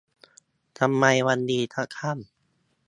ทำไมมันดีครับท่าน